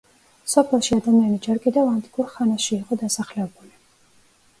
სოფელში ადამიანი ჯერ კიდევ ანტიკურ ხანაში იყო დასახლებული.